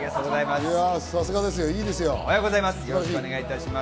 おはようございます。